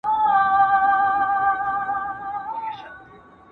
جامي مینځونکي چټل کالي مینځل.